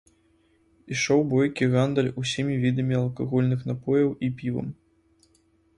Ішоў бойкі гандаль усімі відамі алкагольных напояў і півам.